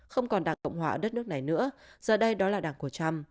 không còn đảng cộng hòa ở đất nước này nữa giờ đây đó là đảng của trump